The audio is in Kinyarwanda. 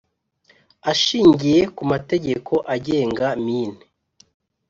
ashingiye ku mategeko agenga mine